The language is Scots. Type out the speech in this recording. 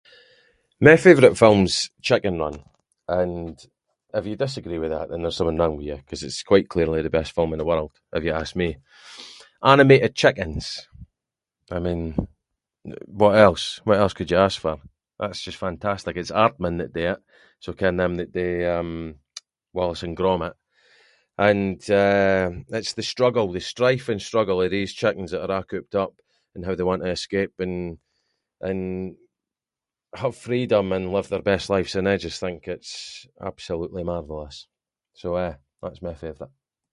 My favourite film’s Chicken Run, and if you disagree with that then there’s something wrong with you, ‘cause it’s quite clearly the best film in the world if you ask me. Animated chickens, I mean, what else, what else could you ask for, that’s just fantastic, it’s Aardman that do it, so ken them that dae, um, Wallace and Grommit, and, eh, it’s the struggle, the strife and struggle of these chickens that are a’ cooped up and how they want to escape and- and have freedom and live their best lives, and I just think it’s absolutely marvellous, so yeah, that’s my favourite.